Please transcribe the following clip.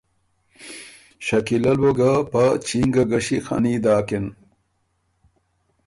شکیلۀ ل بُو ګه په چینګه ګݭی خني داکِن